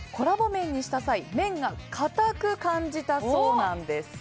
麺にした際麺が硬く感じたそうです。